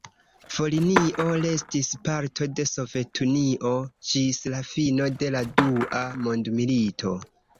Volinio restis parto de Sovetunio ĝis la fino de la Dua Mondmilito.